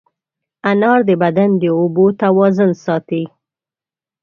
انار د بدن د اوبو توازن ساتي.